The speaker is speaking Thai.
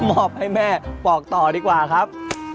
มอบให้แม่บอกต่อดีกว่าครับ